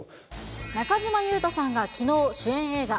中島裕翔さんがきのう、主演映画、＃